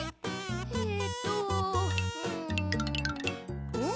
えっとうんん？